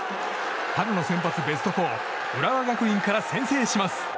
春のセンバツ、ベスト４浦和学院から先制します。